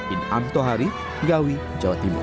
in amtohari ngawi jawa timur